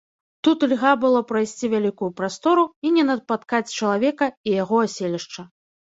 Тут льга было прайсці вялікую прастору і не напаткаць чалавека і яго аселішча.